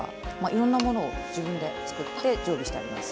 いろんなものを自分で作って常備してあります。